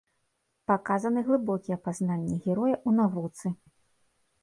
Паказаны глыбокія пазнанні героя ў навуцы.